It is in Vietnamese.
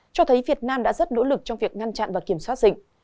cho thấy việt nam đã rất nỗ lực trong việc ngăn chặn và kiểm soát dịch